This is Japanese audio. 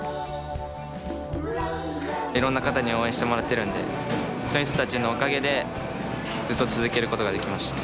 色んな方に応援してもらっているのでそういう人たちのおかげでずっと続ける事ができました。